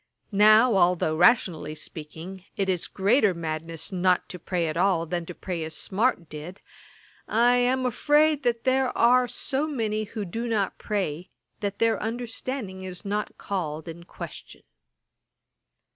Now although, rationally speaking, it is greater madness not to pray at all, than to pray as Smart did, I am afraid there are so many who do not pray, that their understanding is not called in question.'